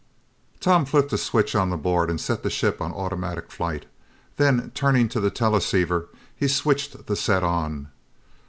Tom flipped a switch on the board and set the ship on automatic flight. Then, turning to the teleceiver, he switched the set on.